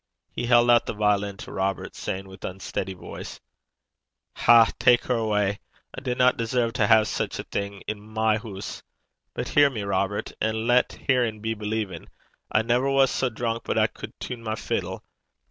He held out the violin to Robert, saying, with unsteady voice: 'Hae, tak her awa'. I dinna deserve to hae sic a thing i' my hoose. But hear me, Robert, and lat hearin' be believin'. I never was sae drunk but I cud tune my fiddle.